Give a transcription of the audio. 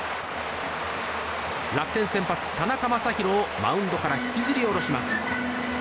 楽天先発、田中将大をマウンドから引きずり降ろします。